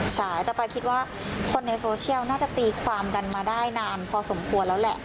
ใช่แต่ปายคิดว่าคนในโซเชียลน่าจะตีความกันมาได้นานพอสมควรแล้วแหละ